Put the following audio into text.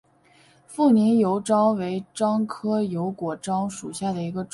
富宁油果樟为樟科油果樟属下的一个种。